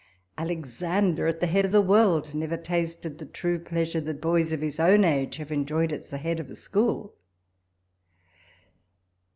— Alexander, at the head of the world, never tasted the true plea sure that boys of his own age have enjoyed at the head of a school.